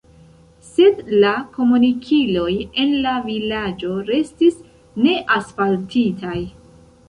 Sed la komunikiloj en la vilaĝo restis neasfaltitaj.